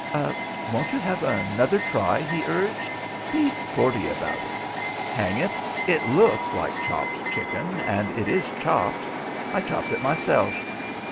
"Won't you have another try?" he urged. "Be sporty about it. Hang it, it looks like chopped chicken, and it is chopped. I chopped it myself.